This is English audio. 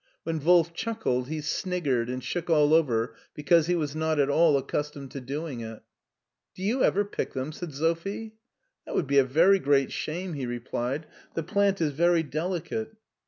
When Wolf chuckled he sniggered and shook all over because he was not at all accustomed to doing it " Do you ever pick them ?" said Sophie. " That would be a very great shame," he replied ;" the plant is very delicate."